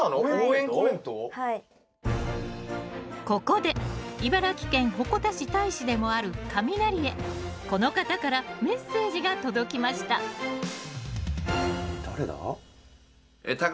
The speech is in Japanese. ここで茨城県鉾田市大使でもあるカミナリへこの方からメッセージが届きました誰だ？